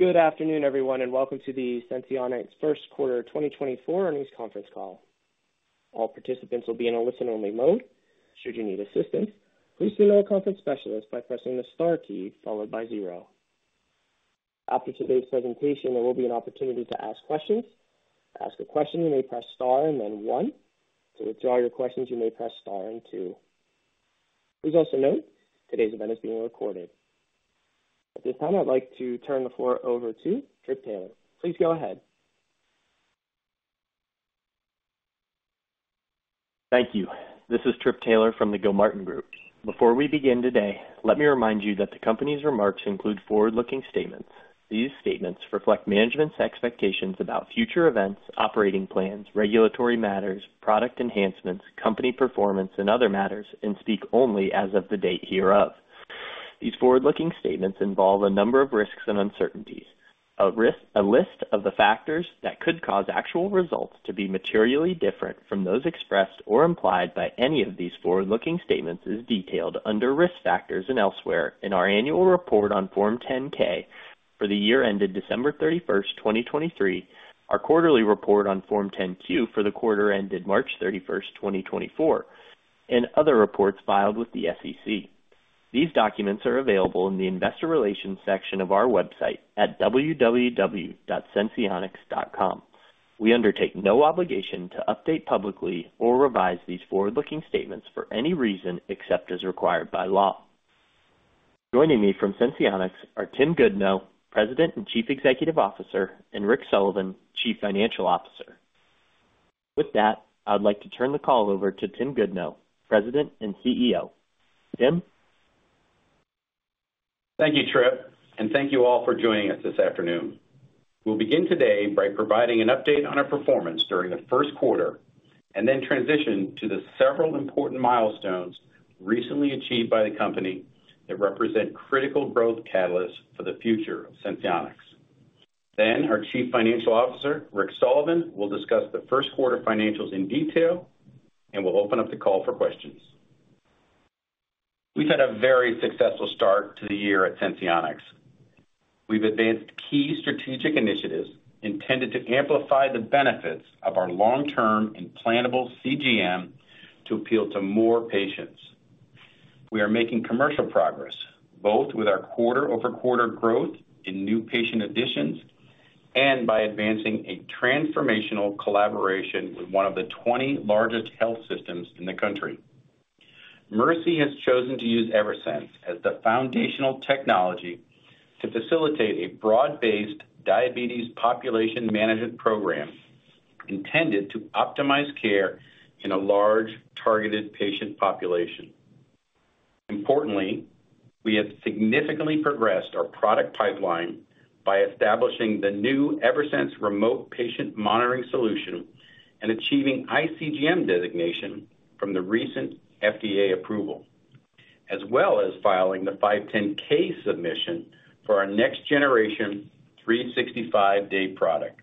Good afternoon, everyone, and welcome to the Senseonics First Quarter 2024 news conference call. All participants will be in a listen-only mode. Should you need assistance, please send a call to a specialist by pressing the star key followed by zero. After today's presentation, there will be an opportunity to ask questions. To ask a question, you may press star and then one. To withdraw your questions, you may press star and two. Please also note today's event is being recorded. At this time, I'd like to turn the floor over to Trip Taylor. Please go ahead. Thank you. This is Trip Taylor from the Gilmartin Group. Before we begin today, let me remind you that the company's remarks include forward-looking statements. These statements reflect management's expectations about future events, operating plans, regulatory matters, product enhancements, company performance, and other matters, and speak only as of the date hereof. These forward-looking statements involve a number of risks and uncertainties. A list of the factors that could cause actual results to be materially different from those expressed or implied by any of these forward-looking statements is detailed under Risk Factors and elsewhere in our annual report on Form 10-K for the year ended December 31, 2023, our quarterly report on Form 10-Q for the quarter ended March 31, 2024, and other reports filed with the SEC. These documents are available in the Investor Relations section of our website at www.senseonics.com. We undertake no obligation to update publicly or revise these forward-looking statements for any reason except as required by law. Joining me from Senseonics are Tim Goodnow, President and Chief Executive Officer, and Rick Sullivan, Chief Financial Officer. With that, I'd like to turn the call over to Tim Goodnow, President and CEO. Tim? Thank you, Trip, and thank you all for joining us this afternoon. We'll begin today by providing an update on our performance during the first quarter and then transition to the several important milestones recently achieved by the company that represent critical growth catalysts for the future of Senseonics. Then our Chief Financial Officer, Rick Sullivan, will discuss the first quarter financials in detail, and we'll open up the call for questions. We've had a very successful start to the year at Senseonics. We've advanced key strategic initiatives intended to amplify the benefits of our long-term and plannable CGM to appeal to more patients. We are making commercial progress, both with our quarter-over-quarter growth in new patient additions and by advancing a transformational collaboration with one of the 20 largest health systems in the country. Mercy has chosen to use Eversense as the foundational technology to facilitate a broad-based diabetes population management program intended to optimize care in a large targeted patient population. Importantly, we have significantly progressed our product pipeline by establishing the new Eversense remote patient monitoring solution and achieving iCGM designation from the recent FDA approval, as well as filing the 510(k) submission for our next-generation 365-day product.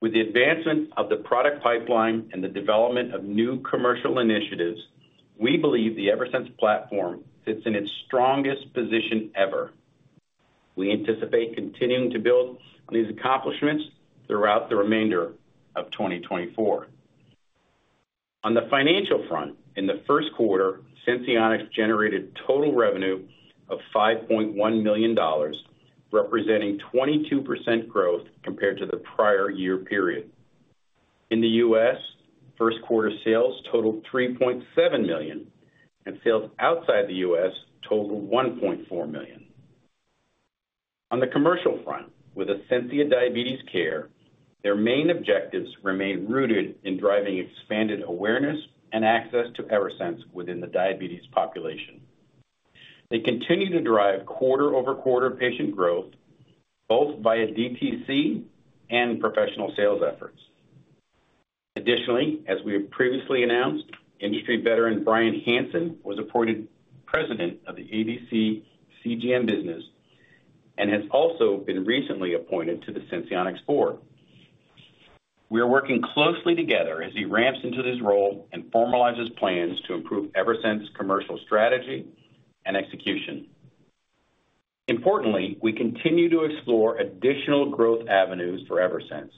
With the advancement of the product pipeline and the development of new commercial initiatives, we believe the Eversense platform sits in its strongest position ever. We anticipate continuing to build on these accomplishments throughout the remainder of 2024. On the financial front, in the first quarter, Senseonics generated total revenue of $5.1 million, representing 22% growth compared to the prior year period. In the U.S., first-quarter sales totaled $3.7 million, and sales outside the U.S. totaled $1.4 million. On the commercial front, with Ascensia Diabetes Care, their main objectives remain rooted in driving expanded awareness and access to Eversense within the diabetes population. They continue to drive quarter-over-quarter patient growth, both via DTC and professional sales efforts. Additionally, as we have previously announced, industry veteran Brian Hansen was appointed president of the ADC CGM business and has also been recently appointed to the Senseonics board. We are working closely together as he ramps into this role and formalizes plans to improve Eversense commercial strategy and execution. Importantly, we continue to explore additional growth avenues for Eversense,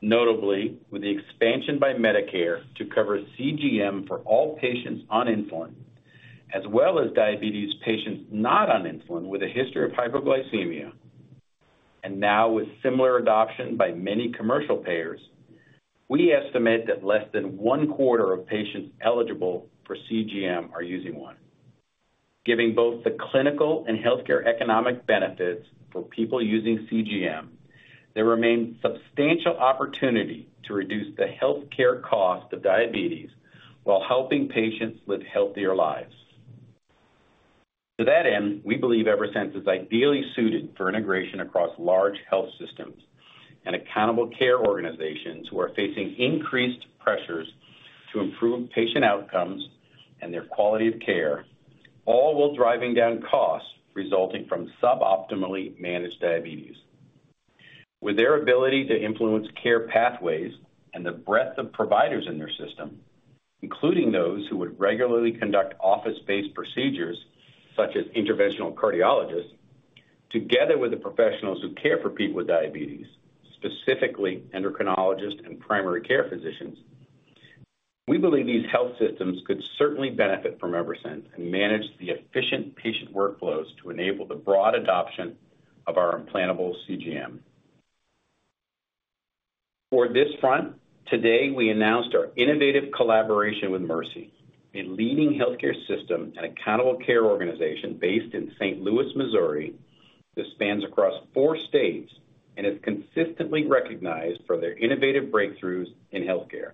notably with the expansion by Medicare to cover CGM for all patients on insulin, as well as diabetes patients not on insulin with a history of hypoglycemia. And now, with similar adoption by many commercial payers, we estimate that less than one-quarter of patients eligible for CGM are using one. Giving both the clinical and healthcare economic benefits for people using CGM, there remains substantial opportunity to reduce the healthcare cost of diabetes while helping patients live healthier lives. To that end, we believe Eversense is ideally suited for integration across large health systems and accountable care organizations who are facing increased pressures to improve patient outcomes and their quality of care, all while driving down costs resulting from suboptimally managed diabetes. With their ability to influence care pathways and the breadth of providers in their system, including those who would regularly conduct office-based procedures such as interventional cardiologists, together with the professionals who care for people with diabetes, specifically endocrinologists and primary care physicians, we believe these health systems could certainly benefit from Eversense and manage the efficient patient workflows to enable the broad adoption of our implantable CGM. For this front, today we announced our innovative collaboration with Mercy, a leading healthcare system and accountable care organization based in St. Louis, Missouri, that spans across four states and is consistently recognized for their innovative breakthroughs in healthcare.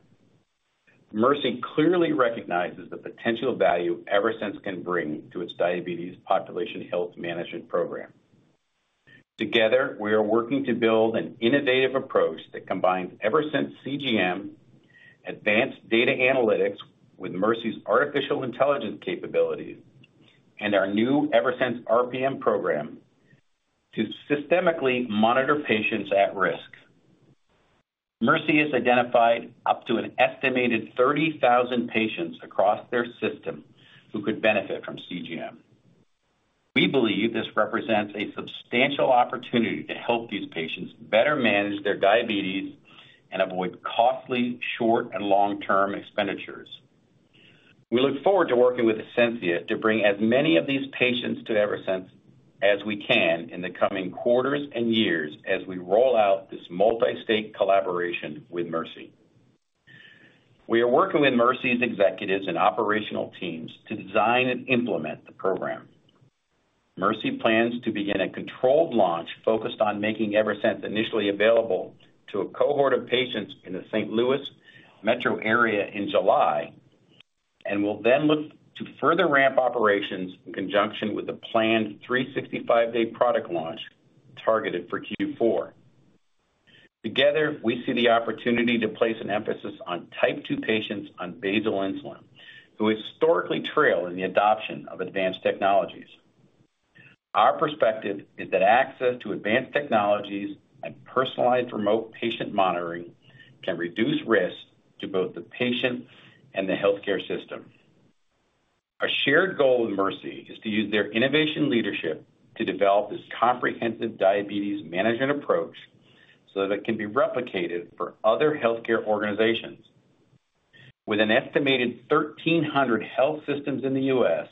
Mercy clearly recognizes the potential value Eversense can bring to its diabetes population health management program. Together, we are working to build an innovative approach that combines Eversense CGM, advanced data analytics with Mercy's artificial intelligence capabilities, and our new Eversense RPM program to systemically monitor patients at risk. Mercy has identified up to an estimated 30,000 patients across their system who could benefit from CGM. We believe this represents a substantial opportunity to help these patients better manage their diabetes and avoid costly short- and long-term expenditures. We look forward to working with Ascensia to bring as many of these patients to Eversense as we can in the coming quarters and years as we roll out this multi-state collaboration with Mercy. We are working with Mercy's executives and operational teams to design and implement the program. Mercy plans to begin a controlled launch focused on making Eversense initially available to a cohort of patients in the St. Louis metro area in July and will then look to further ramp operations in conjunction with the planned 365-day product launch targeted for Q4. Together, we see the opportunity to place an emphasis on Type 2 patients on basal insulin who historically trail in the adoption of advanced technologies. Our perspective is that access to advanced technologies and personalized Remote Patient Monitoring can reduce risk to both the patient and the healthcare system. Our shared goal with Mercy is to use their innovation leadership to develop this comprehensive diabetes management approach so that it can be replicated for other healthcare organizations. With an estimated 1,300 health systems in the U.S.,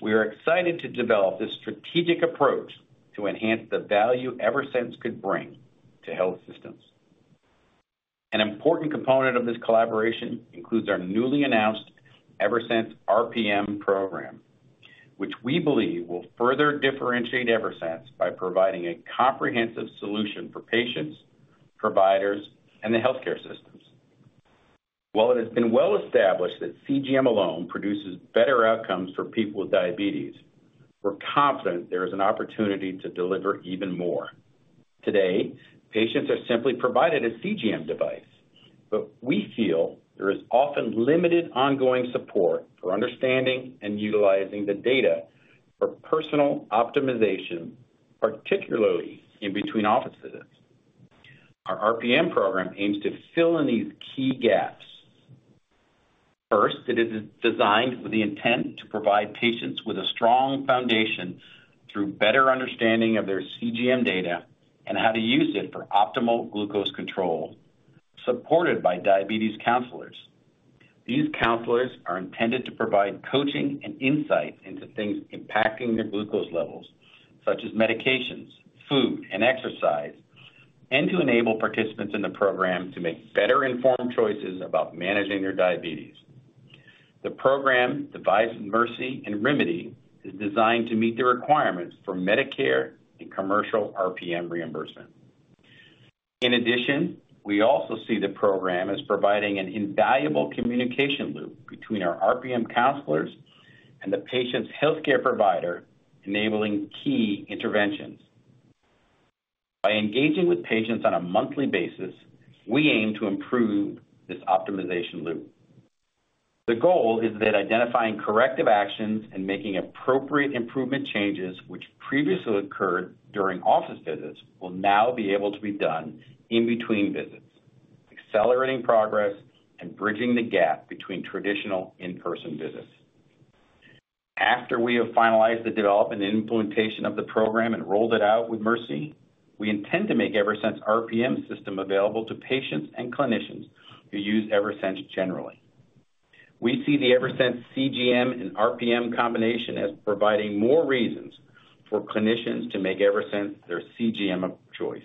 we are excited to develop this strategic approach to enhance the value Eversense could bring to health systems. An important component of this collaboration includes our newly announced Eversense RPM program, which we believe will further differentiate Eversense by providing a comprehensive solution for patients, providers, and the healthcare systems. While it has been well established that CGM alone produces better outcomes for people with diabetes, we're confident there is an opportunity to deliver even more. Today, patients are simply provided a CGM device, but we feel there is often limited ongoing support for understanding and utilizing the data for personal optimization, particularly in between office visits. Our RPM program aims to fill in these key gaps. First, it is designed with the intent to provide patients with a strong foundation through better understanding of their CGM data and how to use it for optimal glucose control, supported by diabetes counselors. These counselors are intended to provide coaching and insight into things impacting their glucose levels, such as medications, food, and exercise, and to enable participants in the program to make better-informed choices about managing their diabetes. The program devised with Mercy and Rimidi is designed to meet the requirements for Medicare and commercial RPM reimbursement. In addition, we also see the program as providing an invaluable communication loop between our RPM counselors and the patient's healthcare provider, enabling key interventions. By engaging with patients on a monthly basis, we aim to improve this optimization loop. The goal is that identifying corrective actions and making appropriate improvement changes, which previously occurred during office visits, will now be able to be done in between visits, accelerating progress and bridging the gap between traditional in-person visits. After we have finalized the development and implementation of the program and rolled it out with Mercy, we intend to make Eversense RPM system available to patients and clinicians who use Eversense generally. We see the Eversense CGM and RPM combination as providing more reasons for clinicians to make Eversense their CGM of choice.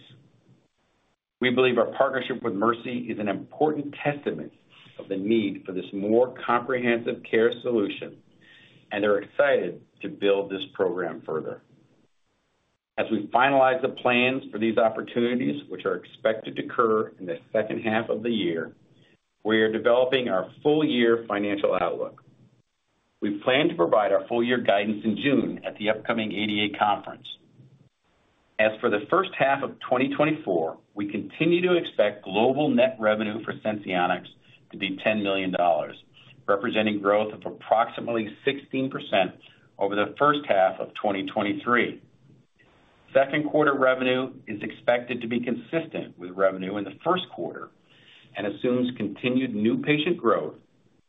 We believe our partnership with Mercy is an important testament of the need for this more comprehensive care solution, and they're excited to build this program further. As we finalize the plans for these opportunities, which are expected to occur in the second half of the year, we are developing our full-year financial outlook. We plan to provide our full-year guidance in June at the upcoming ADA conference. As for the first half of 2024, we continue to expect global net revenue for Senseonics to be $10 million, representing growth of approximately 16% over the first half of 2023. Second-quarter revenue is expected to be consistent with revenue in the first quarter and assumes continued new patient growth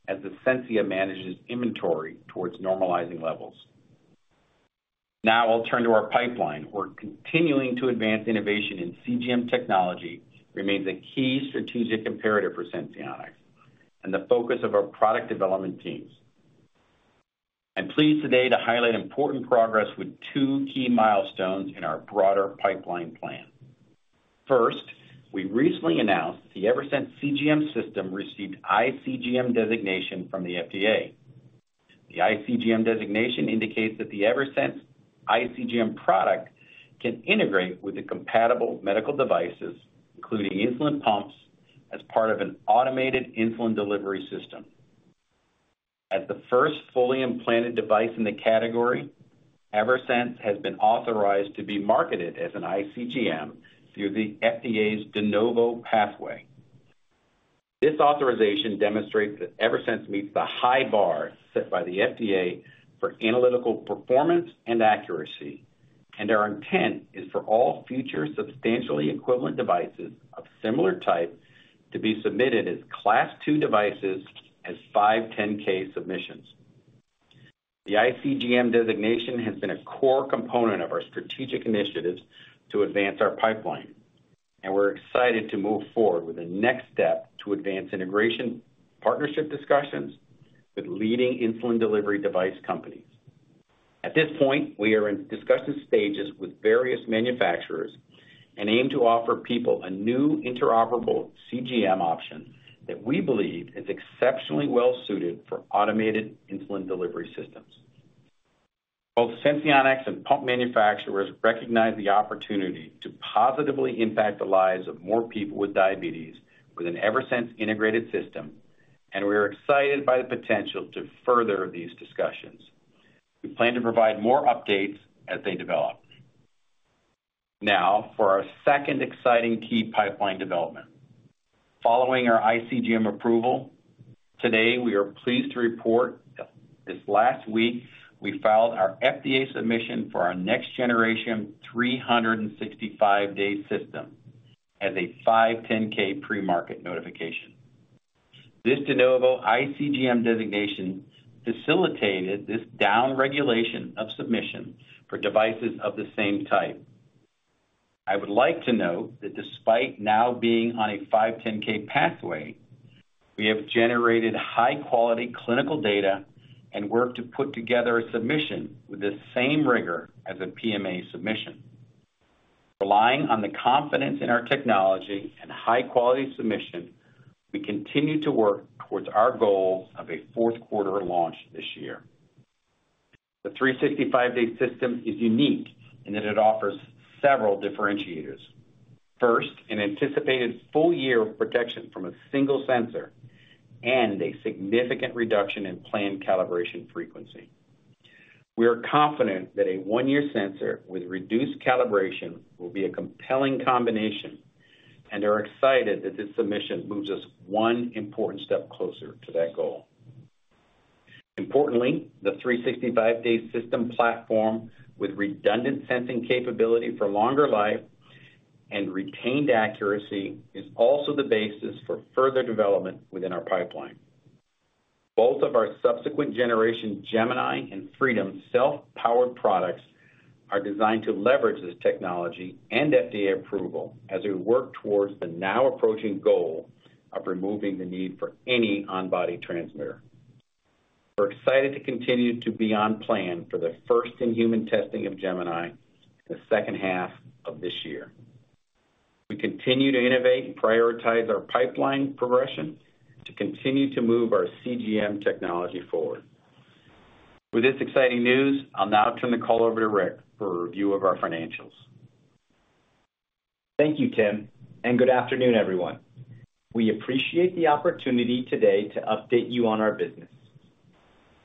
as Ascensia manages inventory towards normalizing levels. Now, I'll turn to our pipeline, where continuing to advance innovation in CGM technology remains a key strategic imperative for Senseonics and the focus of our product development teams. I'm pleased today to highlight important progress with two key milestones in our broader pipeline plan. First, we recently announced that the Eversense CGM system received iCGM designation from the FDA. The iCGM designation indicates that the Eversense iCGM product can integrate with the compatible medical devices, including insulin pumps, as part of an automated insulin delivery system. As the first fully implanted device in the category, Eversense has been authorized to be marketed as an iCGM through the FDA's De Novo pathway. This authorization demonstrates that Eversense meets the high bar set by the FDA for analytical performance and accuracy, and our intent is for all future substantially equivalent devices of similar type to be submitted as Class II devices as 510(k) submissions. The iCGM designation has been a core component of our strategic initiatives to advance our pipeline, and we're excited to move forward with the next step to advance integration partnership discussions with leading insulin delivery device companies. At this point, we are in discussion stages with various manufacturers and aim to offer people a new interoperable CGM option that we believe is exceptionally well-suited for automated insulin delivery systems. Both Senseonics and pump manufacturers recognize the opportunity to positively impact the lives of more people with diabetes with an Eversense integrated system, and we are excited by the potential to further these discussions. We plan to provide more updates as they develop. Now, for our second exciting key pipeline development. Following our iCGM approval, today we are pleased to report that this last week, we filed our FDA submission for our next-generation 365-day system as a 510(k) pre-market notification. This De Novo iCGM designation facilitated this downregulation of submissions for devices of the same type. I would like to note that despite now being on a 510(k) pathway, we have generated high-quality clinical data and worked to put together a submission with the same rigor as a PMA submission. Relying on the confidence in our technology and high-quality submission, we continue to work towards our goal of a fourth quarter launch this year. The 365-day system is unique in that it offers several differentiators. First, an anticipated full-year protection from a single sensor and a significant reduction in planned calibration frequency. We are confident that a one-year sensor with reduced calibration will be a compelling combination, and are excited that this submission moves us one important step closer to that goal. Importantly, the 365-day system platform with redundant sensing capability for longer life and retained accuracy is also the basis for further development within our pipeline. Both of our subsequent generation Gemini and Freedom self-powered products are designed to leverage this technology and FDA approval as we work towards the now-approaching goal of removing the need for any on-body transmitter. We're excited to continue to be on plan for the first-in-human testing of Gemini in the second half of this year. We continue to innovate and prioritize our pipeline progression to continue to move our CGM technology forward. With this exciting news, I'll now turn the call over to Rick for a review of our financials. Thank you, Tim, and good afternoon, everyone. We appreciate the opportunity today to update you on our business.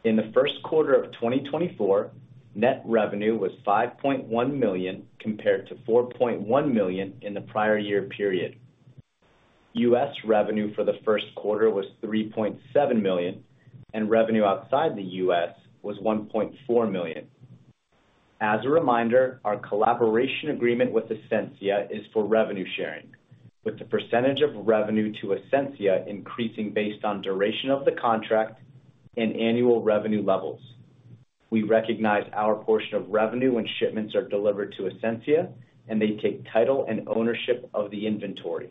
In the first quarter of 2024, net revenue was $5.1 million compared to $4.1 million in the prior year period. U.S. revenue for the first quarter was $3.7 million, and revenue outside the U.S. was $1.4 million. As a reminder, our collaboration agreement with Ascensia is for revenue sharing, with the percentage of revenue to Ascensia increasing based on duration of the contract and annual revenue levels. We recognize our portion of revenue when shipments are delivered to Ascensia, and they take title and ownership of the inventory.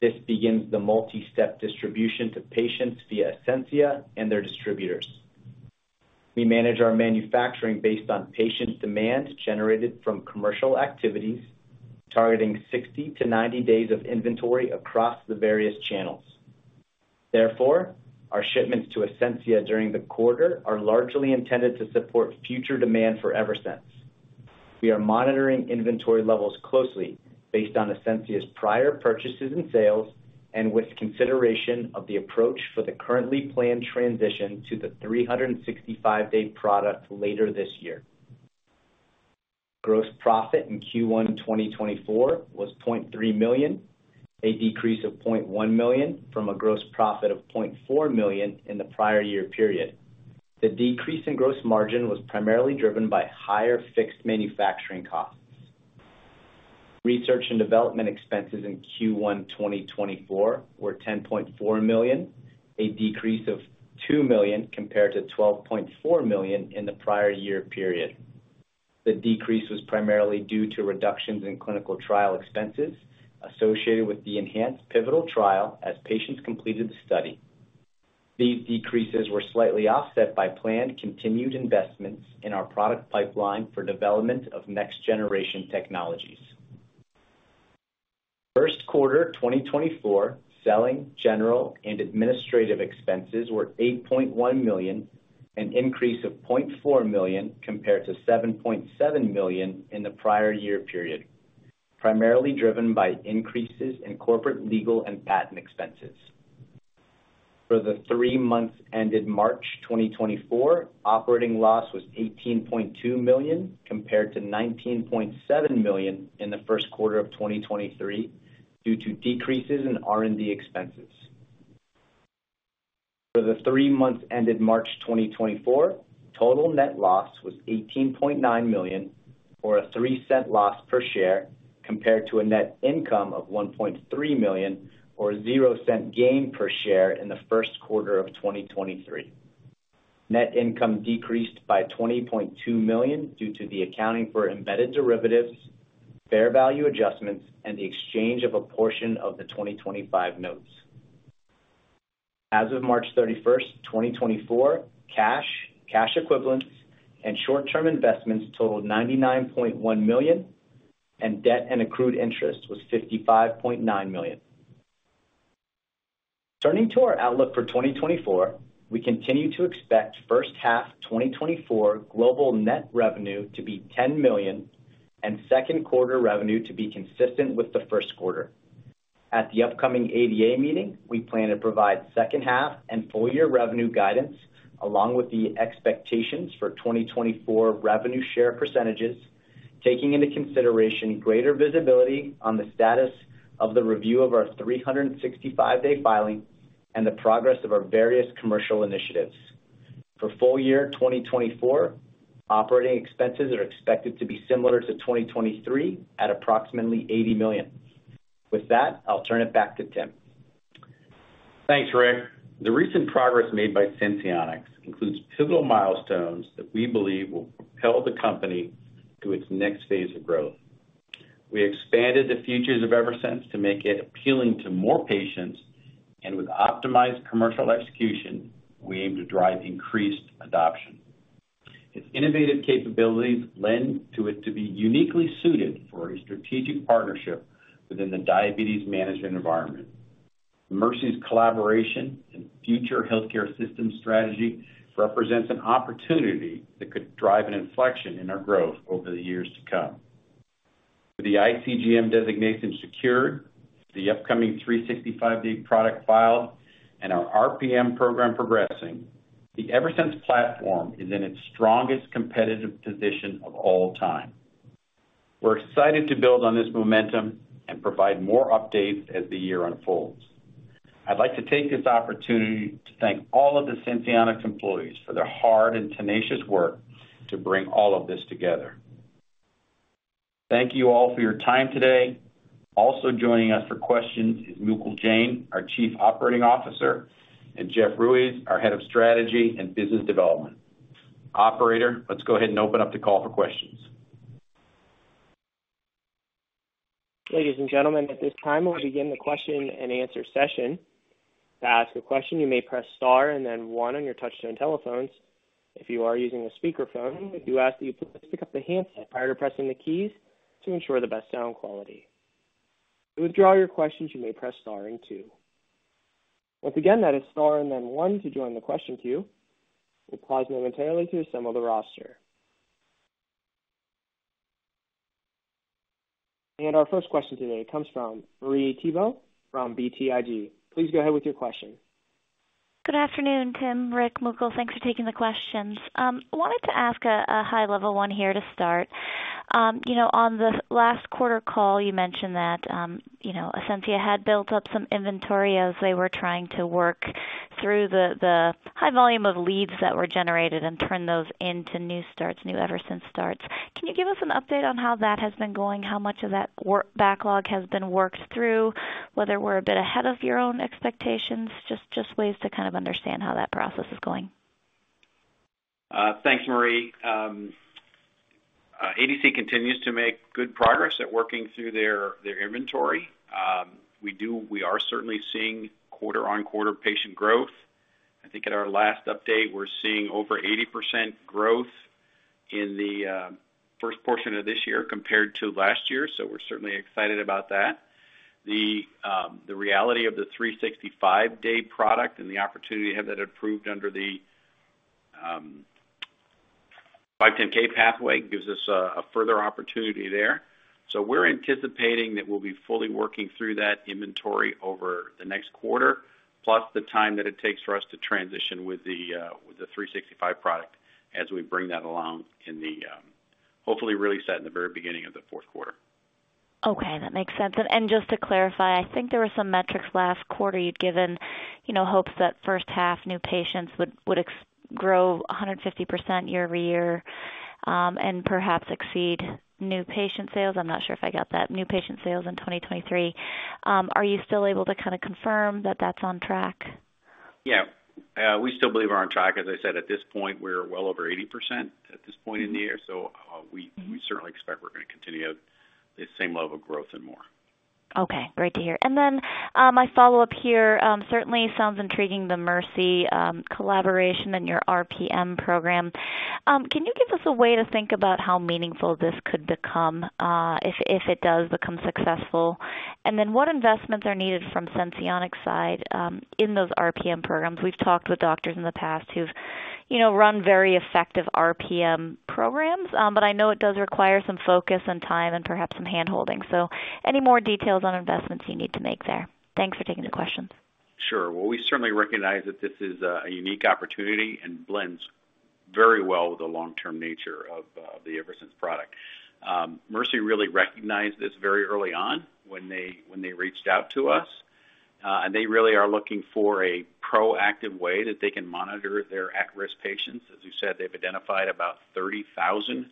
This begins the multi-step distribution to patients via Ascensia and their distributors. We manage our manufacturing based on patient demand generated from commercial activities, targeting 60-90 days of inventory across the various channels. Therefore, our shipments to Ascensia during the quarter are largely intended to support future demand for Eversense. We are monitoring inventory levels closely based on Ascensia's prior purchases and sales and with consideration of the approach for the currently planned transition to the 365-day product later this year. Gross profit in Q1 2024 was $0.3 million, a decrease of $0.1 million from a gross profit of $0.4 million in the prior year period. The decrease in gross margin was primarily driven by higher fixed manufacturing costs. Research and development expenses in Q1 2024 were $10.4 million, a decrease of $2 million compared to $12.4 million in the prior year period. The decrease was primarily due to reductions in clinical trial expenses associated with the enhanced Pivotal trial as patients completed the study. These decreases were slightly offset by planned continued investments in our product pipeline for development of next-generation technologies. First quarter 2024, selling, general, and administrative expenses were $8.1 million, an increase of $0.4 million compared to $7.7 million in the prior year period, primarily driven by increases in corporate legal and patent expenses. For the three months ended March 2024, operating loss was $18.2 million compared to $19.7 million in the first quarter of 2023 due to decreases in R&D expenses. For the three months ended March 2024, total net loss was $18.9 million, or a $0.03 loss per share compared to a net income of $1.3 million, or a $0.00 gain per share in the first quarter of 2023. Net income decreased by $20.2 million due to the accounting for embedded derivatives, fair value adjustments, and the exchange of a portion of the 2025 notes. As of March 31st, 2024, cash, cash equivalents, and short-term investments totaled $99.1 million, and debt and accrued interest was $55.9 million. Turning to our outlook for 2024, we continue to expect first-half 2024 global net revenue to be $10 million and second quarter revenue to be consistent with the first quarter. At the upcoming ADA meeting, we plan to provide second-half and full-year revenue guidance along with the expectations for 2024 revenue share percentages, taking into consideration greater visibility on the status of the review of our 365-day filing and the progress of our various commercial initiatives. For full-year 2024, operating expenses are expected to be similar to 2023 at approximately $80 million. With that, I'll turn it back to Tim. Thanks, Rick. The recent progress made by Senseonics includes pivotal milestones that we believe will propel the company to its next phase of growth. We expanded the features of Eversense to make it appealing to more patients, and with optimized commercial execution, we aim to drive increased adoption. Its innovative capabilities lend to it to be uniquely suited for a strategic partnership within the diabetes management environment. Mercy's collaboration and future healthcare system strategy represents an opportunity that could drive an inflection in our growth over the years to come. With the ICGM designation secured, the upcoming 365-day product filed, and our RPM program progressing, the Eversense platform is in its strongest competitive position of all time. We're excited to build on this momentum and provide more updates as the year unfolds. I'd like to take this opportunity to thank all of the Senseonics employees for their hard and tenacious work to bring all of this together. Thank you all for your time today. Also joining us for questions is Mukul Jain, our Chief Operating Officer, and Jeff Ruiz, our Head of Strategy and Business Development. Operator, let's go ahead and open up the call for questions. Ladies and gentlemen, at this time, we'll begin the question and answer session. To ask a question, you may press star and then one on your touchscreen telephones. If you are using a speakerphone, we do ask that you please pick up the handset prior to pressing the keys to ensure the best sound quality. To withdraw your questions, you may press star and two. Once again, that is star and then one to join the question queue. We'll pause momentarily to assemble the roster. Our first question today comes from Marie Thibault from BTIG. Please go ahead with your question. Good afternoon, Tim, Rick, Mukul. Thanks for taking the questions. I wanted to ask a high-level one here to start. On the last quarter call, you mentioned that Ascensia had built up some inventory as they were trying to work through the high volume of leads that were generated and turn those into new starts, new Eversense starts. Can you give us an update on how that has been going, how much of that backlog has been worked through, whether we're a bit ahead of your own expectations? Just ways to kind of understand how that process is going. Thanks, Marie. ADC continues to make good progress at working through their inventory. We are certainly seeing quarter-on-quarter patient growth. I think at our last update, we're seeing over 80% growth in the first portion of this year compared to last year, so we're certainly excited about that. The reality of the 365-day product and the opportunity to have that approved under the 510(k) pathway gives us a further opportunity there. So we're anticipating that we'll be fully working through that inventory over the next quarter, plus the time that it takes for us to transition with the 365 product as we bring that along in the hopefully really set in the very beginning of the fourth quarter. Okay. That makes sense. And just to clarify, I think there were some metrics last quarter you'd given hopes that first-half new patients would grow 150% year-over-year and perhaps exceed new patient sales. I'm not sure if I got that. New patient sales in 2023. Are you still able to kind of confirm that that's on track? Yeah. We still believe we're on track. As I said, at this point, we're well over 80% at this point in the year, so we certainly expect we're going to continue at this same level of growth and more. Okay. Great to hear. Then my follow-up here certainly sounds intriguing, the Mercy collaboration and your RPM program. Can you give us a way to think about how meaningful this could become if it does become successful? And then what investments are needed from Senseonics' side in those RPM programs? We've talked with doctors in the past who've run very effective RPM programs, but I know it does require some focus and time and perhaps some handholding. So any more details on investments you need to make there? Thanks for taking the questions. Sure. Well, we certainly recognize that this is a unique opportunity and blends very well with the long-term nature of the Eversense product. Mercy really recognized this very early on when they reached out to us, and they really are looking for a proactive way that they can monitor their at-risk patients. As you said, they've identified about 30,000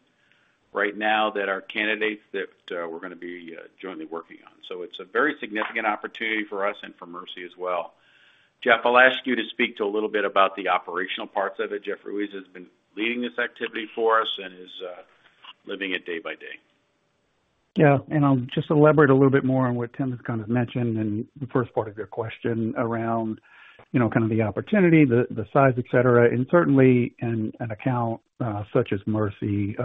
right now that are candidates that we're going to be jointly working on. So it's a very significant opportunity for us and for Mercy as well. Jeff, I'll ask you to speak to a little bit about the operational parts of it. Jeff Ruiz has been leading this activity for us and is living it day by day. Yeah. I'll just elaborate a little bit more on what Tim has kind of mentioned in the first part of your question around kind of the opportunity, the size, etc. Certainly, an account such as Mercy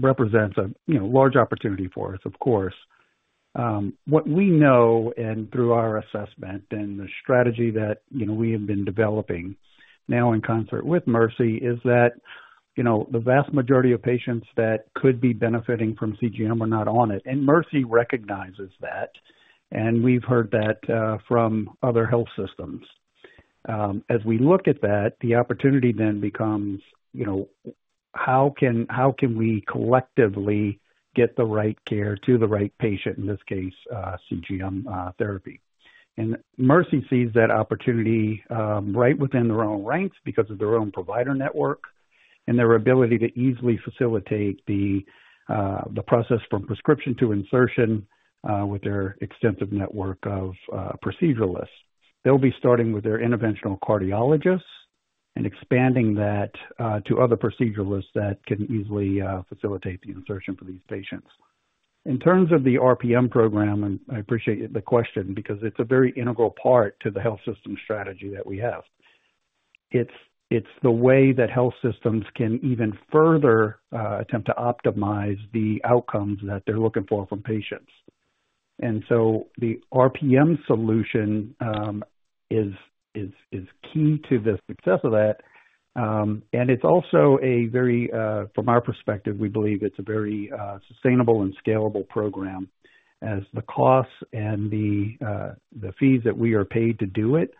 represents a large opportunity for us, of course. What we know and through our assessment and the strategy that we have been developing now in concert with Mercy is that the vast majority of patients that could be benefiting from CGM are not on it. Mercy recognizes that, and we've heard that from other health systems. As we look at that, the opportunity then becomes, how can we collectively get the right care to the right patient, in this case, CGM therapy? Mercy sees that opportunity right within their own ranks because of their own provider network and their ability to easily facilitate the process from prescription to insertion with their extensive network of proceduralists. They'll be starting with their interventional cardiologists and expanding that to other proceduralists that can easily facilitate the insertion for these patients. In terms of the RPM program, and I appreciate the question because it's a very integral part to the health system strategy that we have, it's the way that health systems can even further attempt to optimize the outcomes that they're looking for from patients. So the RPM solution is key to the success of that. And it's also, from our perspective, we believe it's a very sustainable and scalable program as the costs and the fees that we are paid to do it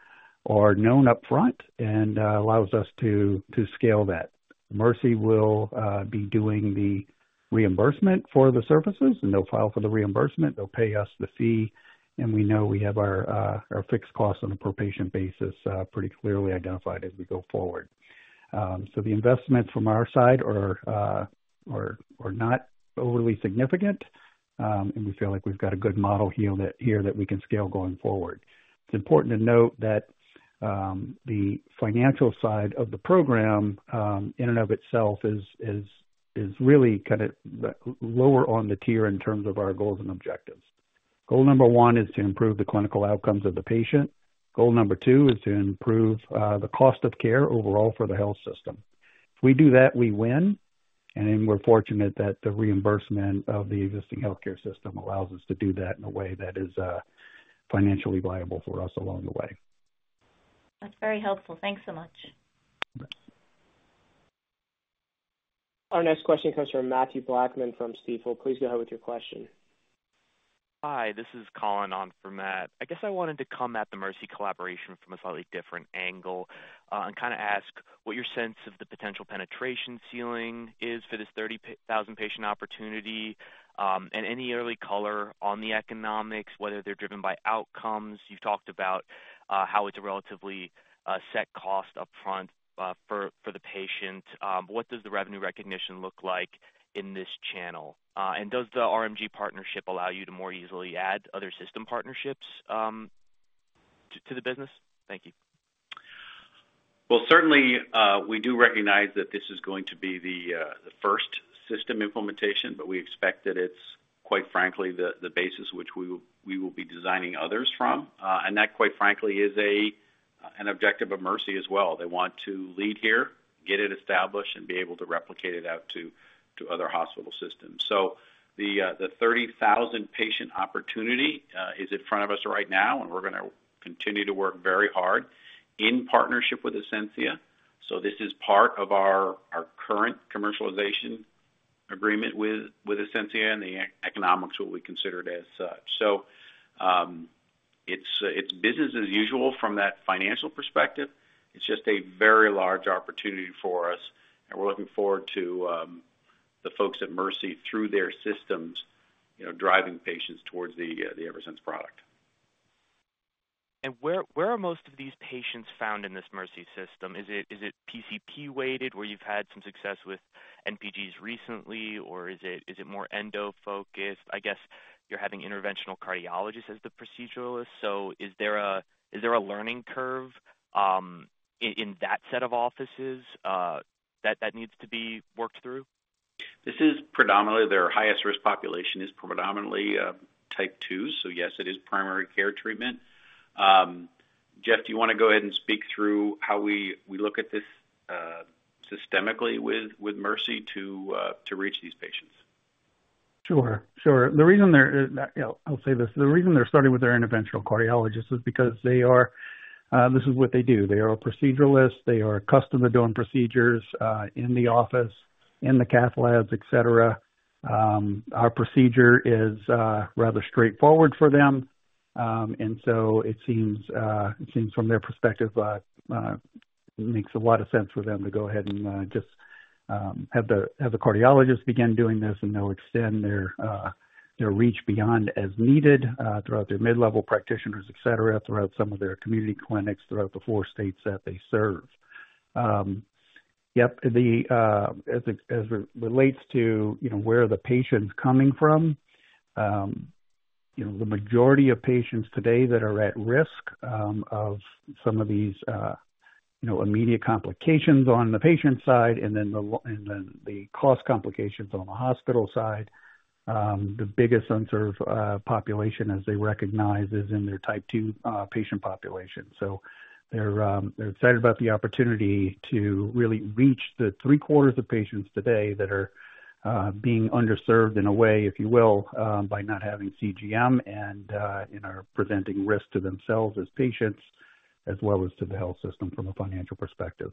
are known upfront and allows us to scale that. Mercy will be doing the reimbursement for the services, and they'll file for the reimbursement. They'll pay us the fee, and we know we have our fixed costs on a per-patient basis pretty clearly identified as we go forward. So the investments from our side are not overly significant, and we feel like we've got a good model here that we can scale going forward. It's important to note that the financial side of the program in and of itself is really kind of lower on the tier in terms of our goals and objectives. Goal number one is to improve the clinical outcomes of the patient. Goal number two is to improve the cost of care overall for the health system. If we do that, we win. We're fortunate that the reimbursement of the existing healthcare system allows us to do that in a way that is financially viable for us along the way. That's very helpful. Thanks so much. Our next question comes from Matthew Blackman from Stifel. Please go ahead with your question. Hi. This is Colin Clark on for Matthew Blackman. I guess I wanted to come at the Mercy collaboration from a slightly different angle and kind of ask what your sense of the potential penetration ceiling is for this 30,000 patient opportunity and any early color on the economics, whether they're driven by outcomes. You've talked about how it's a relatively set cost upfront for the patient. What does the revenue recognition look like in this channel? And does the Rimidi partnership allow you to more easily add other system partnerships to the business? Thank you. Well, certainly, we do recognize that this is going to be the first system implementation, but we expect that it's, quite frankly, the basis which we will be designing others from. And that, quite frankly, is an objective of Mercy as well. They want to lead here, get it established, and be able to replicate it out to other hospital systems. So the 30,000 patient opportunity is in front of us right now, and we're going to continue to work very hard in partnership with Ascensia. So this is part of our current commercialization agreement with Ascensia, and the economics will be considered as such. So it's business as usual from that financial perspective. It's just a very large opportunity for us, and we're looking forward to the folks at Mercy through their systems driving patients towards the Eversense product. Where are most of these patients found in this Mercy system? Is it PCP-weighted where you've had some success with NPGs recently, or is it more endo-focused? I guess you're having interventional cardiologists as the proceduralists. Is there a learning curve in that set of offices that needs to be worked through? This is predominantly their highest-risk population is predominantly Type 2s. So yes, it is primary care treatment. Jeff, do you want to go ahead and speak through how we look at this systemically with Mercy to reach these patients? Sure. Sure. I'll say this. The reason they're starting with their interventional cardiologists is because they are. This is what they do. They are proceduralists. They are accustomed to doing procedures in the office, in the cath labs, etc. Our procedure is rather straightforward for them, and so it seems, from their perspective, makes a lot of sense for them to go ahead and just have the cardiologists begin doing this and now extend their reach beyond as needed throughout their mid-level practitioners, etc., throughout some of their community clinics, throughout the four states that they serve. Yep. As it relates to where the patients are coming from, the majority of patients today that are at risk of some of these immediate complications on the patient side and then the cost complications on the hospital side, the biggest unserved population, as they recognize, is in their Type 2 patient population. So they're excited about the opportunity to really reach the three-quarters of patients today that are being underserved in a way, if you will, by not having CGM and presenting risk to themselves as patients as well as to the health system from a financial perspective.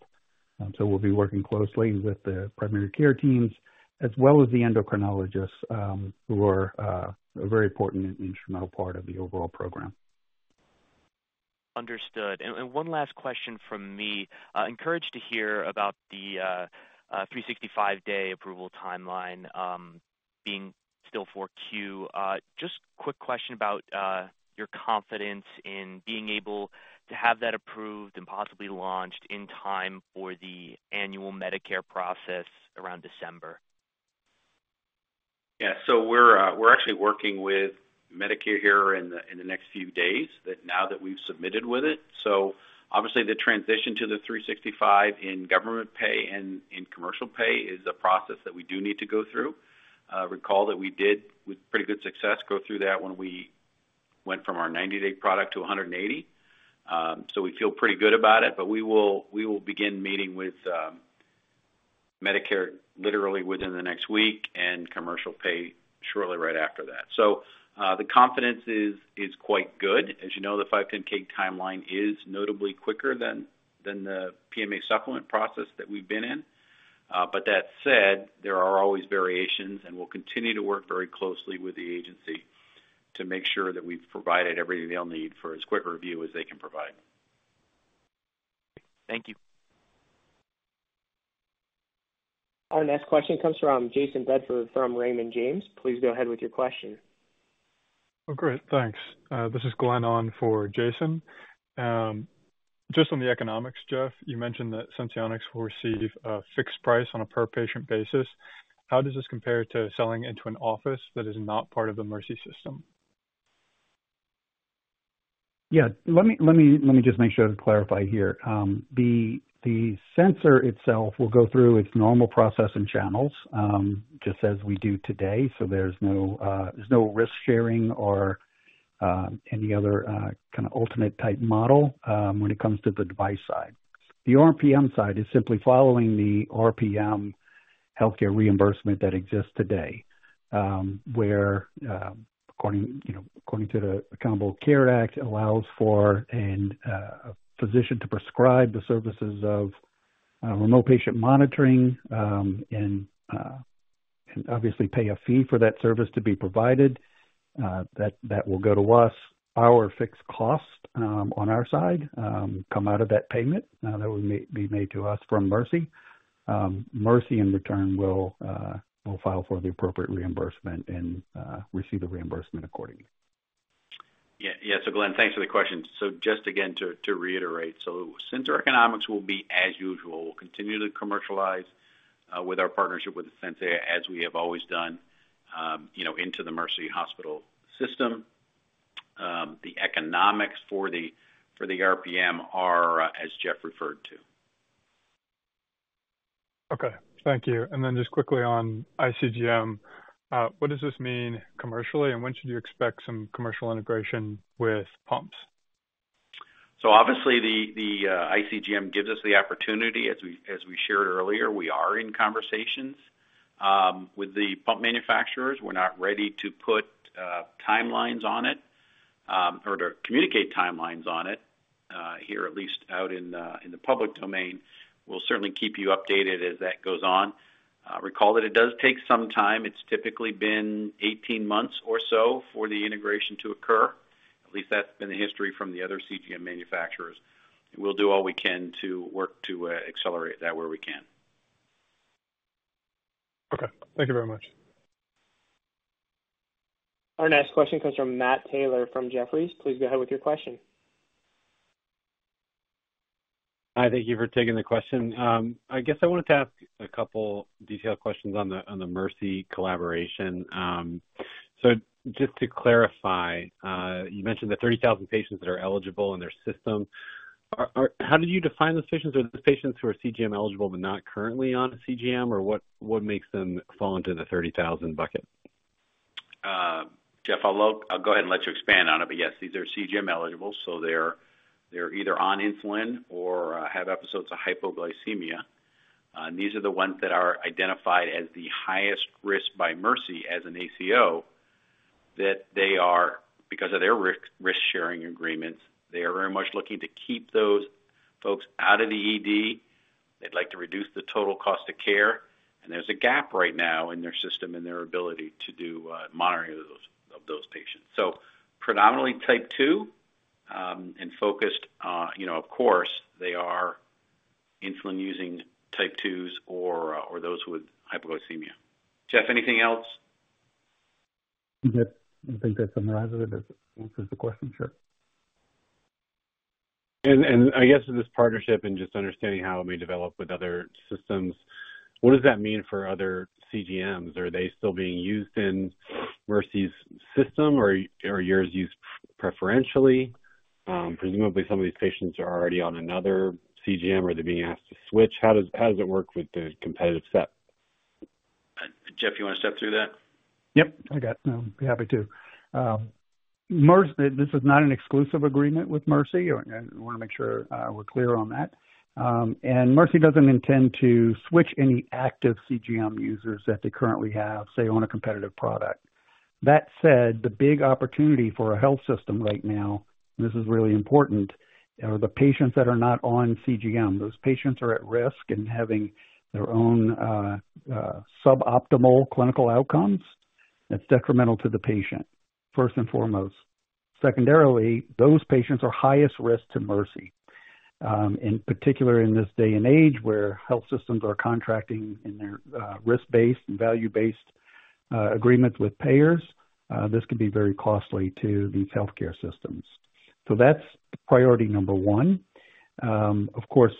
We'll be working closely with the primary care teams as well as the endocrinologists who are a very important and instrumental part of the overall program. Understood. One last question from me. Encouraged to hear about the 365-day approval timeline being still on queue. Just quick question about your confidence in being able to have that approved and possibly launched in time for the annual Medicare process around December. Yeah. So we're actually working with Medicare here in the next few days now that we've submitted with it. So obviously, the transition to the 365 in government pay and in commercial pay is a process that we do need to go through. Recall that we did, with pretty good success, go through that when we went from our 90-day product to 180. So we feel pretty good about it, but we will begin meeting with Medicare literally within the next week and commercial pay shortly right after that. So the confidence is quite good. As you know, the 510(k) timeline is notably quicker than the PMA supplement process that we've been in. But that said, there are always variations, and we'll continue to work very closely with the agency to make sure that we've provided everything they'll need for as quick a review as they can provide. Thank you. Our next question comes from Jayson Bedford from Raymond James. Please go ahead with your question. Oh, great. Thanks. This is Glenn on for Jason. Just on the economics, Jeff, you mentioned that Senseonics will receive a fixed price on a per-patient basis. How does this compare to selling into an office that is not part of the Mercy system? Yeah. Let me just make sure to clarify here. The sensor itself will go through its normal process and channels just as we do today. So there's no risk-sharing or any other kind of alternate type model when it comes to the device side. The RPM side is simply following the RPM healthcare reimbursement that exists today where, according to the Accountable Care Act, allows for a physician to prescribe the services of remote patient monitoring and obviously pay a fee for that service to be provided. That will go to us. Our fixed cost on our side come out of that payment that will be made to us from Mercy. Mercy, in return, will file for the appropriate reimbursement and receive the reimbursement accordingly. Yeah. Yeah. So Glenn, thanks for the question. So just again, to reiterate, so sensor economics will be as usual. We'll continue to commercialize with our partnership with Ascensia as we have always done into the Mercy hospital system. The economics for the RPM are, as Jeff referred to. Okay. Thank you. Then just quickly on iCGM, what does this mean commercially, and when should you expect some commercial integration with pumps? Obviously, the iCGM gives us the opportunity. As we shared earlier, we are in conversations with the pump manufacturers. We're not ready to put timelines on it or to communicate timelines on it here, at least out in the public domain. We'll certainly keep you updated as that goes on. Recall that it does take some time. It's typically been 18 months or so for the integration to occur. At least that's been the history from the other CGM manufacturers. We'll do all we can to work to accelerate that where we can. Okay. Thank you very much. Our next question comes from Matt Taylor from Jefferies. Please go ahead with your question. Hi. Thank you for taking the question. I guess I wanted to ask a couple detailed questions on the Mercy collaboration. So just to clarify, you mentioned the 30,000 patients that are eligible in their system. How do you define those patients? Are those patients who are CGM eligible but not currently on a CGM, or what makes them fall into the 30,000 bucket? Jeff, I'll go ahead and let you expand on it. But yes, these are CGM eligible. So they're either on insulin or have episodes of hypoglycemia. These are the ones that are identified as the highest risk by Mercy as an ACO that they are because of their risk-sharing agreements. They are very much looking to keep those folks out of the ED. They'd like to reduce the total cost of care. There's a gap right now in their system in their ability to do monitoring of those patients. So predominantly Type 2 and focused on of course, they are insulin-using Type 2s or those with hypoglycemia. Jeff, anything else? I think that summarizes it. It answers the question. Sure. I guess in this partnership and just understanding how it may develop with other systems, what does that mean for other CGMs? Are they still being used in Mercy's system, or are yours used preferentially? Presumably, some of these patients are already on another CGM, or they're being asked to switch. How does it work with the competitive set? Jeff, do you want to step through that? Yep. I got it. No, I'd be happy to. This is not an exclusive agreement with Mercy. I want to make sure we're clear on that. Mercy doesn't intend to switch any active CGM users that they currently have, say, on a competitive product. That said, the big opportunity for a health system right now, and this is really important, are the patients that are not on CGM. Those patients are at risk in having their own suboptimal clinical outcomes. That's detrimental to the patient, first and foremost. Secondarily, those patients are highest risk to Mercy, in particular in this day and age where health systems are contracting in their risk-based and value-based agreements with payers. This can be very costly to these healthcare systems. So that's priority number one. Of course,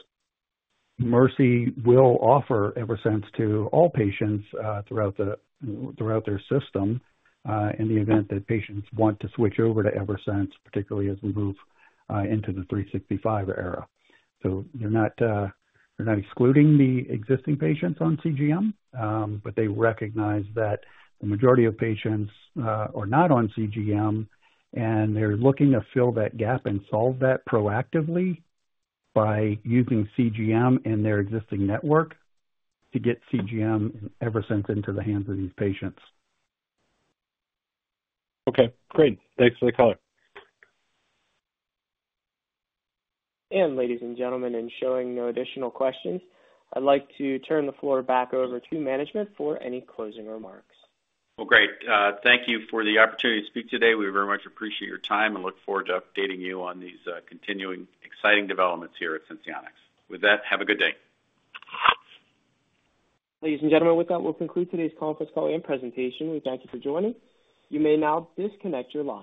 Mercy will offer Eversense to all patients throughout their system in the event that patients want to switch over to Eversense, particularly as we move into the 365 era. They're not excluding the existing patients on CGM, but they recognize that the majority of patients are not on CGM, and they're looking to fill that gap and solve that proactively by using CGM in their existing network to get CGM and Eversense into the hands of these patients. Okay. Great. Thanks for the color. Ladies and gentlemen, in showing no additional questions, I'd like to turn the floor back over to management for any closing remarks. Well, great. Thank you for the opportunity to speak today. We very much appreciate your time and look forward to updating you on these continuing exciting developments here at Senseonics. With that, have a good day. Ladies and gentlemen, with that, we'll conclude today's conference call and presentation. We thank you for joining. You may now disconnect your line.